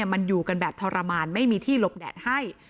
มันอยู่กันแบบทรมานไม่มีที่หลบแดดให้